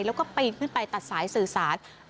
แล้วก็ปีนขึ้นไปตัดสายสื่อสาร